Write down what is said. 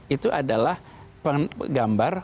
itu adalah gambar